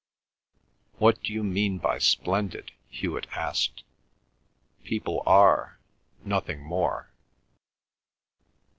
"What d'you mean by splendid?" Hewet asked. "People are—nothing more."